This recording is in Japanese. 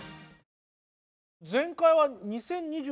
前回は２０２１年？